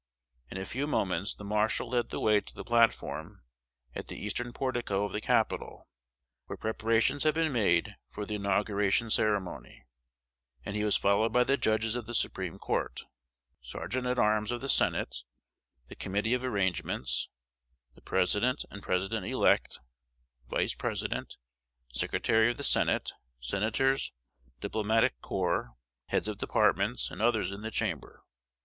In a few moments, the Marshal led the way to the platform at the eastern portico of the Capitol, where preparations had been made for the inauguration ceremony; and he was followed by the Judges of the Supreme Court, Sergeant at Arms of the Senate, the Committee of Arrangements, the President and President elect, Vice President, Secretary of the Senate, Senators, Diplomatic Corps, Heads of Departments, and others in the chamber.